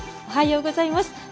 おはようございます。